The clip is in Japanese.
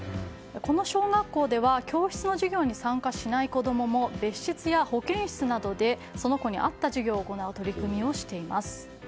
この小学校では教室の授業に参加しない子供も別室や保健室などでその子に合った授業を行う取り組みをしています。